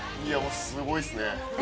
すごいっすね。